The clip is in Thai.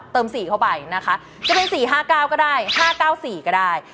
๔เข้าไปนะคะจะเป็น๔๕๙ก็ได้๕๙๔ก็ได้